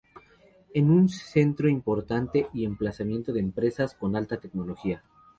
Es un centro importante y emplazamiento de empresas con alta tecnología.